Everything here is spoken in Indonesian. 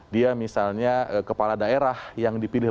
dia misalnya kepala daerah yang dipilih